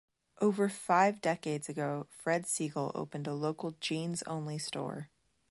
Over five decades ago, Fred Segal opened a local jeans-only store.